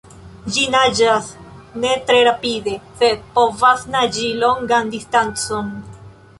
Ĝi naĝas ne tre rapide, sed povas naĝi longan distancon.